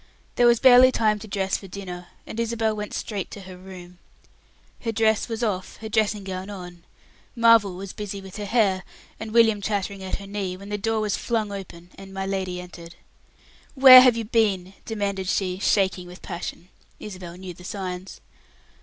There was barely time to dress for dinner, and Isabel went straight to her room. Her dress was off, her dressing gown on. Marvel was busy with her hair, and William chattering at her knee, when the door was flung open, and my lady entered. "Where have you been?" demanded she, shaking with passion. Isabel knew the signs.